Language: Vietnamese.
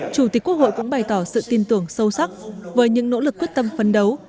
chủ tịch quốc hội cũng bày tỏ sự tin tưởng sâu sắc với những nỗ lực quyết tâm phấn đấu